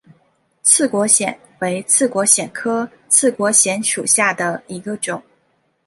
刺果藓为刺果藓科刺果藓属下的一个种。